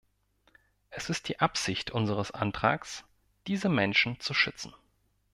Es ist die Absicht unseres Antrags, diese Menschen zu schützen.